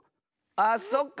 あっそっか！